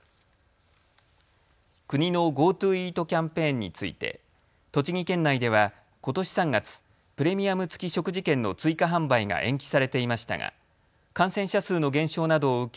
国のＧｏＴｏイートキャンペーンについて栃木県内ではことし３月、プレミアム付き食事券の追加販売が延期されていましたが感染者数の減少などを受け